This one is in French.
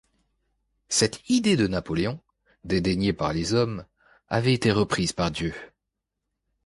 Cette idée de Napoléon, dédaignée par les hommes, avait été reprise par Dieu.